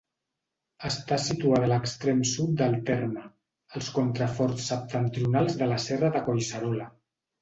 Està situada a l'extrem sud del terme, als contraforts septentrionals de la serra de Collserola.